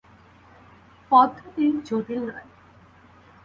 পদ্ধতি জটিল নয়।